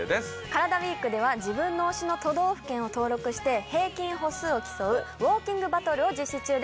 「カラダＷＥＥＫ」では自分の推しの都道府県を登録して平均歩数を競うウオーキングバトルを実施中です。